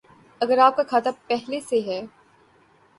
اگر آپ کا کھاتہ پہلے سے ہے